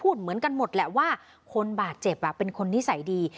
เหมือนกันหมดแหละว่าคนบาดเจ็บเป็นคนนิสัยดี